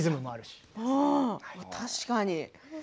確かに。